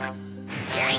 やい！